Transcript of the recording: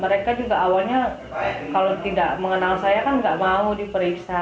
mereka juga awalnya kalau tidak mengenal saya kan nggak mau diperiksa